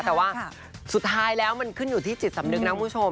แต่ว่าสุดท้ายแล้วมันขึ้นอยู่ที่จิตสำนึกนะคุณผู้ชม